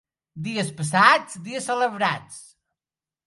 Dies passats, dies celebrats.